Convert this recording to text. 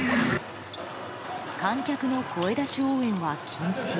観客の声出し応援は禁止。